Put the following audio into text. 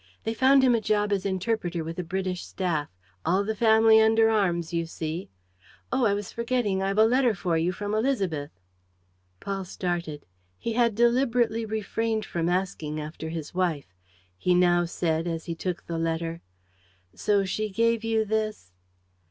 They found him a job as interpreter with the British staff. All the family under arms, you see. ... Oh, I was forgetting, I've a letter for you from Élisabeth!" Paul started. He had deliberately refrained from asking after his wife. He now said, as he took the letter: "So she gave you this